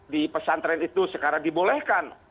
di pesantren itu sekarang dibolehkan